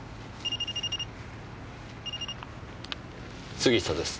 杉下です。